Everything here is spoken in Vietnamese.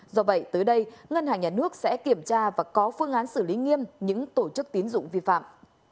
do vậy tới đây ngân hàng nhà nước sẽ kiểm tra và có phương án xử lý nghiêm những tổ chức tín dụng vi phạm